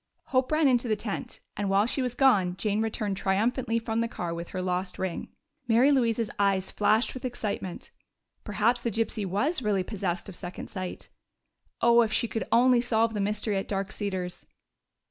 Hope ran into the tent, and while she was gone Jane returned triumphantly from the car with her lost ring. Mary Louise's eyes flashed with excitement: perhaps the gypsy was really possessed of second sight. Oh, if she could only solve that mystery at Dark Cedars!